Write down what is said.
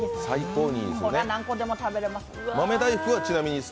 これは何個でも食べられます。